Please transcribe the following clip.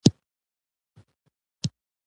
نوی کال نوې هیلې راوړي